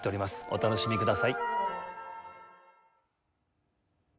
お楽しみください。